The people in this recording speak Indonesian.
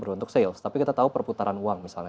untuk sales tapi kita tahu perputaran uang misalnya